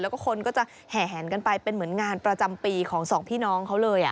แล้วก็คนก็จะแห่แหนกันไปเป็นเหมือนงานประจำปีของสองพี่น้องเขาเลย